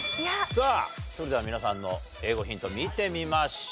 さあそれでは皆さんの英語ヒント見てみましょう。